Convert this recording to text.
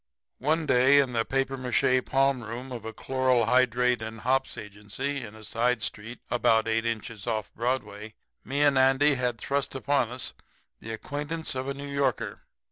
"One day in the papier mâché palm room of a chloral hydrate and hops agency in a side street about eight inches off Broadway me and Andy had thrust upon us the acquaintance of a New Yorker.